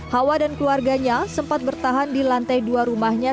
hawa dan keluarganya sempat bertahan di lantai dua rumahnya